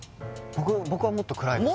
僕はもっと暗いです